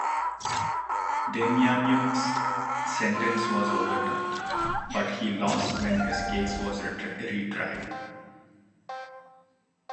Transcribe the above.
Demjanjuk's sentence was overturned, but he lost when his case was retried.